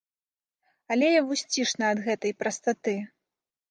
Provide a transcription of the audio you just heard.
Але і вусцішна ад гэтай прастаты.